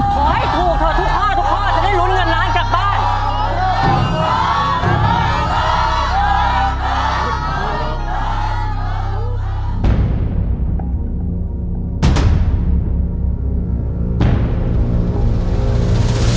ถูกสิทุกข้อจำเป็นทุกข้องจะได้รุนเงินร้านกลับบ้าน